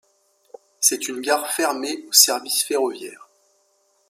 C'est une gare fermée au service ferroviaire.